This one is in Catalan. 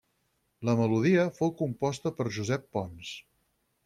La melodia fou composta per Josep Pons.